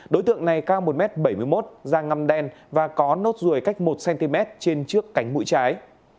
đối tượng này cao một m bảy mươi một da ngâm đen và có nốt ruồi cách một cm trên trước cánh mũi trái